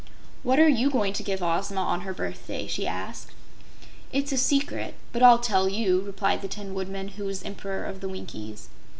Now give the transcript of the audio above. "What are you going to give Ozma on her birthday?" she asked. "It's a secret, but I'll tell you," replied the Tin Woodman, who was Emperor of the Winkies.